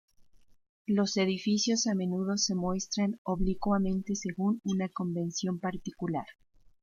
Los edificios a menudo se muestran oblicuamente según una convención particular.